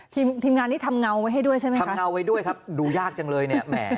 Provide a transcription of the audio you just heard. ทีมทีมงานนี้ทำเงาไว้ให้ด้วยใช่ไหมครับทำเงาไว้ด้วยครับดูยากจังเลยเนี่ยแหม